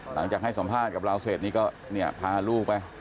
หลังจากให้สัมภาษณ์กับเราเสร็จนี้ก็เนี่ยพาลูกไป